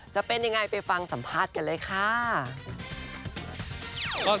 จะเป็นยังไงไปฟังสัมภาษณ์กันเลยค่ะ